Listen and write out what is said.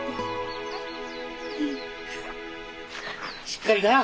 しっかりな！